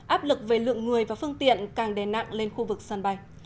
áp lực về lượng người và phương tiện càng đè nặng lên khu vực sân bay